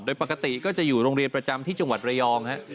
โดยปกติก็จะอยู่โรงเรียนประจำที่จังหวัดระยองฮะ